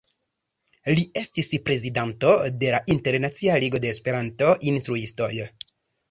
Li estis prezidanto de la Internacia Ligo de Esperanto-Instruistoj.